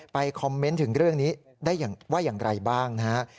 คอมเมนต์ถึงเรื่องนี้ได้ว่าอย่างไรบ้างนะฮะ